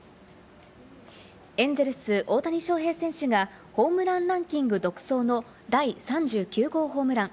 エンゼルス・大谷翔平選手がホームランランキング独走の第３９号ホームラン。